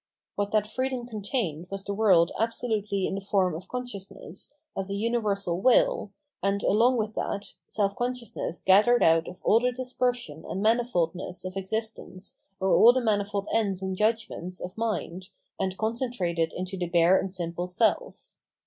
What that freedom contained was the world absolutely in the form of consciousness, as a universal will, and, along with that, self consciousness gathered out of all the dispersion and manifoldness of existence or all the manifold ends and judgments of mind, and concentrated into the bare and simple self.